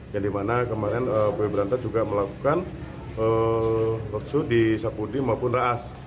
yang dimana kemarin ub berantah juga melakukan kursu di sapudi maupun raas